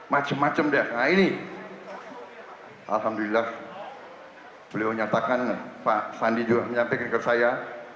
macem macem deh nah ini alhamdulillah beliau nyatakan pak sandi juga menyampaikan ke saya